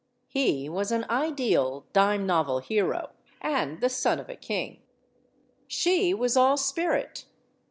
He was an ideal dime novel hero, and the son of a king. She was all spirit.